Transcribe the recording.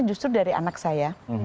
justru dari anak saya